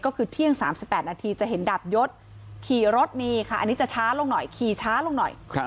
ก็คือเที่ยง๓๘นาทีจะเห็นดาบยศขี่รถนี่ค่ะอันนี้จะช้าลงหน่อยขี่ช้าลงหน่อย